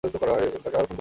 তাকে আবার খুন করতে বলবে।